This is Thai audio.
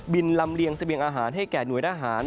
ลำเลียงเสบียงอาหารให้แก่หน่วยทหาร